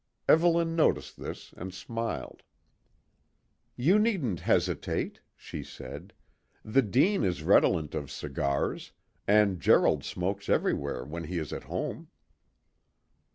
Evelyn noticed this and smiled. "You needn't hesitate," she said. "The Dene is redolent of cigars, and Gerald smokes everywhere when he is at home."